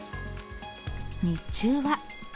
日中は。